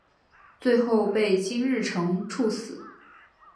最后被金日成处死。